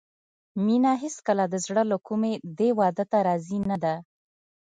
مينه هېڅکله د زړه له کومې دې واده ته راضي نه ده